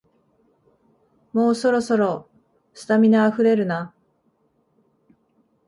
もうそろそろ、スタミナあふれるな